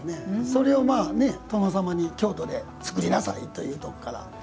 それを殿様に京都で作りなさいというところから。